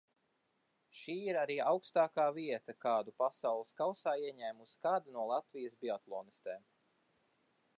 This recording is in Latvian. Šī ir arī augstākā vieta, kādu Pasaules kausā ieņēmusi kāda no Latvijas biatlonistēm.